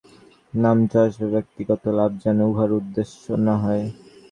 নাম যশ বা ব্যক্তিগত লাভ যেন উহার উদ্দেশ্য না হয়।